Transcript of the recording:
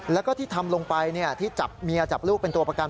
แล้วก็ที่ทำลงไปที่จับเมียจับลูกเป็นตัวประกัน